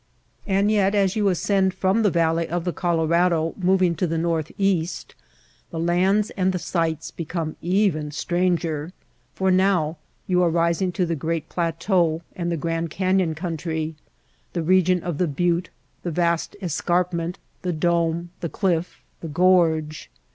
And yet as you ascend from the valley of the Colorado moving to the northeast, the lands and the sights become even stranger. For now you are rising to the Great Plateau and the Grand Canyon country — the region of the butte. MESAS AND FOOT HILLS 199 the yast escarpment, the dome, the cliff, the gorge.